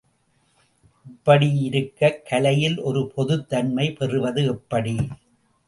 இப்படியிருக்கக் கலையில் ஒரு பொதுத் தன்மையை பெறுவது எப்படி?